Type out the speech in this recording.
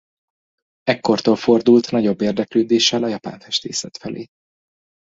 Ekkortól fordult nagyobb érdeklődéssel a japán festészet felé.